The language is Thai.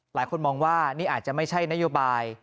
หลายคนมองว่านี่อาจจะไม่ใช่นโยบาย